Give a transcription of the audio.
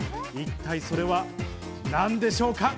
一体それは何でしょうか？